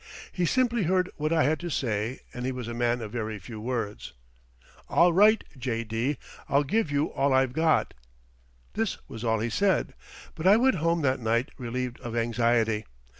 He simply heard what I had to say and he was a man of very few words. "All right, J.D., I'll give you all I've got." This was all he said, but I went home that night relieved of anxiety.